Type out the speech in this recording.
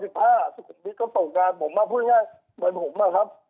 สุขุนพิษก็ตกงานผมมาพูดง่ายเหมือนผมนะครับ